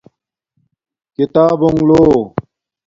کتابونݣ لو